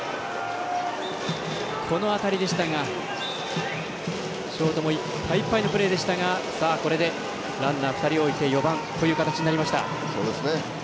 この当たりショートもいっぱいいっぱいのプレーでしたがこれでランナーを２人置いて４番という形になりました。